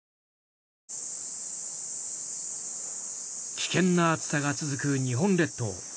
危険な暑さが続く日本列島。